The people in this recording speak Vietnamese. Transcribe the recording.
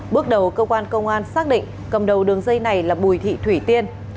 bước đầu cơ quan công an xác định cầm đầu đường dây này là bùi thị thủy tiên